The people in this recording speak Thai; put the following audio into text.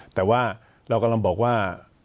แต่ว่าเรากำลังบอกว่า